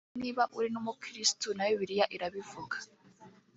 ndetse niba uri n’Umukirisitu na Bibiliya irabivuga